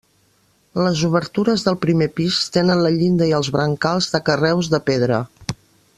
Les obertures del primer pis tenen la llinda i els brancals de carreus de pedra.